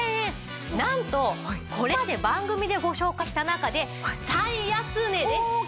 なんとこれまで番組でご紹介した中で最安値です！